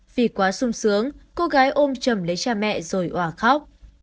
vì quá sung sướng cô gái ôm chầm lấy cha mẹ rồi hòa khóc